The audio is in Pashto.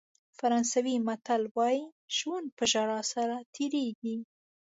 فرانسوي متل وایي ژوند په ژړا سره تېرېږي.